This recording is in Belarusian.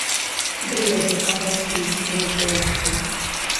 Дрэвы абраслі сівой поўсцю.